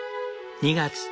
２月。